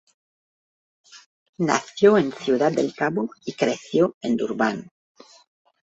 Nació en Ciudad del Cabo y creció en Durban.